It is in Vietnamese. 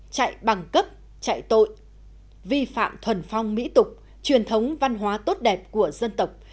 chạy bằng cấp chạy tội vi phạm thuần phong mỹ tục truyền thống văn hóa tốt đẹp của dân tộc